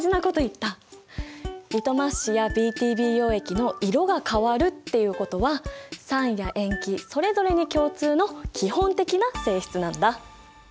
リトマス紙やＢＴＢ溶液の色が変わるっていうことは酸や塩基それぞれに共通の基本的な性質なんだ。